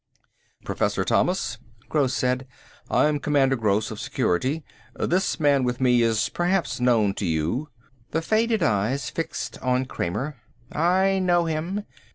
"Professor Thomas?" Gross said. "I'm Commander Gross of Security. This man with me is perhaps known to you " The faded eyes fixed on Kramer. "I know him.